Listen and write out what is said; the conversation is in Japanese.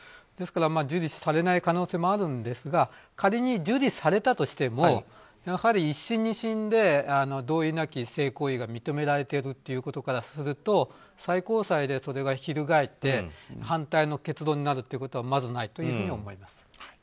ですから、受理されない可能性もあるんですが仮に、受理されたとしてもやはり１審２審で同意なき性行為が認められているということからすると最高裁でそれがひるがえって反対の結論になることはまずないというふうに思います。